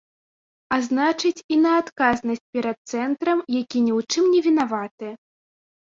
А значыць, і на адказнасць перад цэнтрам, які ні ў чым не вінаваты.